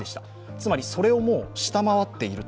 つまりそれをもう下回っている。